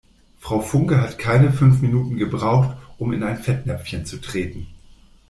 Frau Funke hat keine fünf Minuten gebraucht, um in ein Fettnäpfchen zu treten.